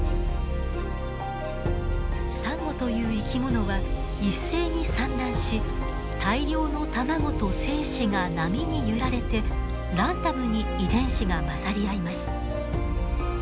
サンゴという生き物は一斉に産卵し大量の卵と精子が波に揺られてランダムに遺伝子が混ざり合います。